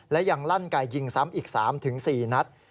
และยังลั่นไกยิงซ้ำอีก๓๔นัด